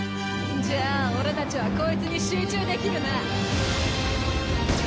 じゃあ俺たちはこいつに集中できるな。